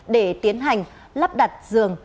để tiến hành lắp đặt giường